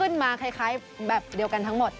คือขึ้นมาคล้ายแบบเดียวกันทั้งหมด